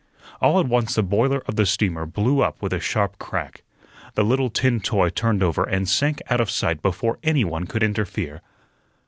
All at once the boiler of the steamer blew up with a sharp crack. The little tin toy turned over and sank out of sight before any one could interfere.